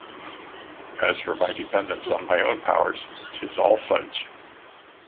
As for my dependence on my own powers, 'tis all fudge.